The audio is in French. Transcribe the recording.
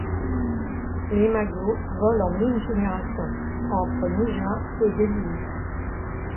L'imago vole en une génération, entre mi-juin et début août.